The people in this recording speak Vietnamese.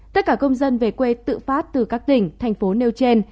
tất cả công dân về quê tự phát từ các tỉnh thành phố nêu trên